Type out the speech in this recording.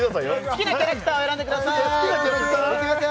好きなキャラクターを選んでくださいいきます